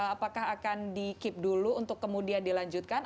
apakah akan di keep dulu untuk kemudian dilanjutkan